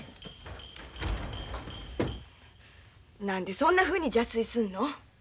何でそんなふうに邪推すんの？